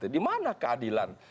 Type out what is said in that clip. di mana keadilan